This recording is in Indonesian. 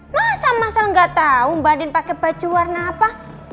masa mas al nggak tahu mbak andin pakai baju warna apa